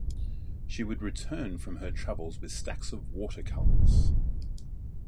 She would return from her travels with stacks of water colours.